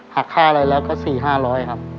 หักค่าอะไรแล้วก็สี่ห้าร้อยครับ